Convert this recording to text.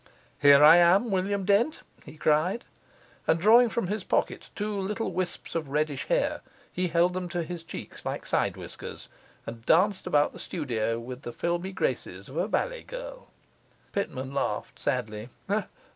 'Here I am, William Dent!' he cried, and drawing from his pocket two little wisps of reddish hair, he held them to his cheeks like sidewhiskers and danced about the studio with the filmy graces of a ballet girl. Pitman laughed sadly.